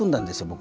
僕。